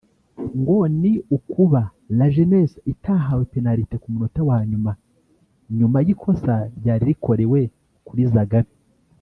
ngo ni ukuba La Jeunesse itahawe penaliti ku munota wa nyuma nyuma y’ikosa ryari rikorewe kuri Zagabe